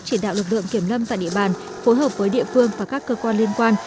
chỉ đạo lực lượng kiểm lâm tại địa bàn phối hợp với địa phương và các cơ quan liên quan